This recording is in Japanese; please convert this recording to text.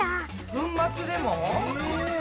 粉末でも？え？